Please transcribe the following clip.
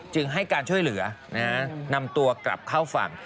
จึงให้การช่วยเหลือนำตัวกลับเข้าฝั่ง